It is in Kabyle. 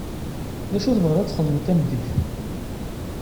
D acu tebɣiḍ ad txedmeḍ tameddit?